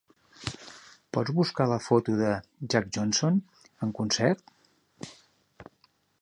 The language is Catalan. Pots buscar la foto de "Jack Johnson En Concert"?